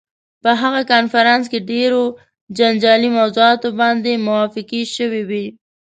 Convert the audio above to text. په هغه کنفرانس کې ډېرو جنجالي موضوعاتو باندې موافقې شوې وې.